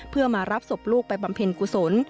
เพื่อมารับศพลูกไปปัมเพลินกุศล